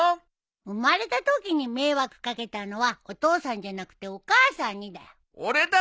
生まれたときに迷惑掛けたのはお父さんじゃなくてお母さんにだよ。